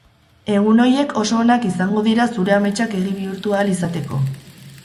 Egun horiek oso onak izango dira zure ametsak egi bihurtu ahal izateko.